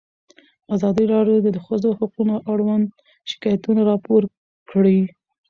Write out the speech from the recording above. ازادي راډیو د د ښځو حقونه اړوند شکایتونه راپور کړي.